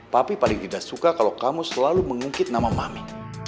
tapi paling tidak suka kalau kamu selalu mengungkit nama mami